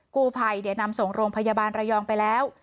กู้ภัยเดี๋ยวนำส่งโรงพยาบาลระยองไปแล้ว